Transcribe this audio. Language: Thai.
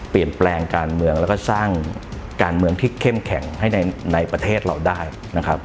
เปลี่ยนแปลงการเมืองแล้วก็สร้างการเมืองที่เข้มแข็งให้ในประเทศเราได้นะครับ